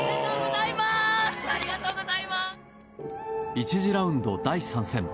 １次ラウンド第３戦。